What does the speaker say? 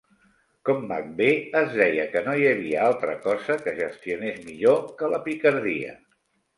Com Macbeth, es deia que no hi havia altra cosa que gestionés millor que la picardia.